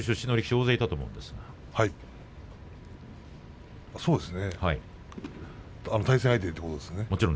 はい、そうですね。